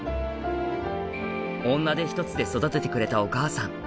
女手ひとつで育ててくれたお母さん